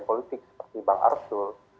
politik seperti bang arsul